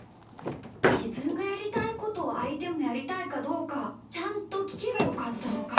じぶんがやりたいことをあいてもやりたいかどうかちゃんときけばよかったのか。